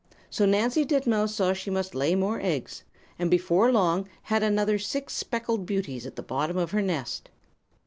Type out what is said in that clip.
So Nancy Titmouse saw she must lay more eggs, and before long had another six speckled beauties in the bottom of her nest.